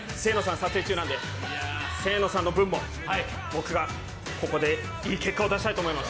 撮影中なんで、清野さんの分も僕がここでいい結果を出したいと思います。